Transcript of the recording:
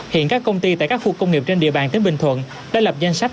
hiện các công ty tại các khu công nghiệp trên địa bàn tỉnh bình thuận đã lập danh sách